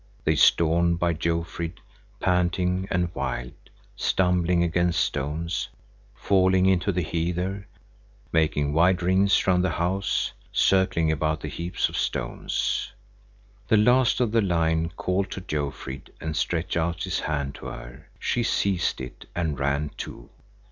They stormed by Jofrid, panting and wild, stumbling against stones, falling into the heather, making wide rings round the house, circling about the heaps of stones. The last of the line called to Jofrid and stretched out his hand to her. She seized it and ran too.